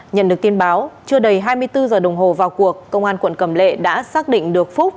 nhận được tin báo chưa đầy hai mươi bốn giờ đồng hồ vào cuộc công an quận cầm lệ đã xác định được phúc